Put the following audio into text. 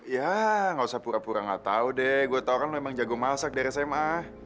ya nggak usah pura pura nggak tau deh gue tau kan lo emang jago masak dari sma